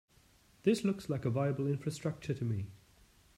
This looks like a viable infrastructure to me.